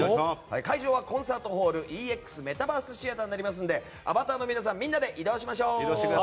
会場はコンサートホールＥＸメタバースシアターになりますのでアバターの皆さんみんなで移動しましょう。